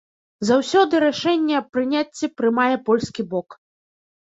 Заўсёды рашэнне аб прыняцці прымае польскі бок.